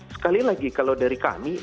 sekali lagi kalau dari kami